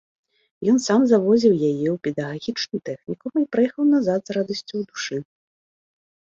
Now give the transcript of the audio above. Ён сам завозіў яе ў педагагічны тэхнікум і прыехаў назад з радасцю ў душы.